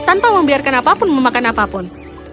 tanpa membiarkan apapun memakan apapun